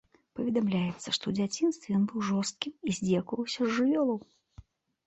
Паведамляецца, што ў дзяцінстве ён быў жорсткім і здзекаваўся з жывёлаў.